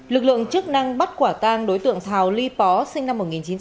lực lượng chức năng bắt quả tang đối tượng thào ly pó sinh năm một nghìn chín trăm tám mươi